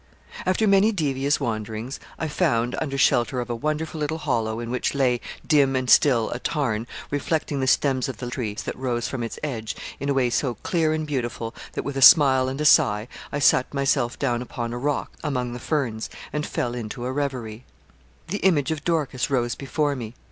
After many devious wanderings, I found, under shelter of a wonderful little hollow, in which lay, dim and still, a tarn, reflecting the stems of the trees that rose from its edge, in a way so clear and beautiful, that, with a smile and a sigh, I sat myself down upon a rock among the ferns, and fell into a reverie. The image of Dorcas rose before me.